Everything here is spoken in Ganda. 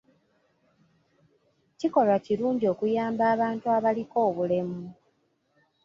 Kikolwa kirungi okuyamba abantu abaliko obulemu.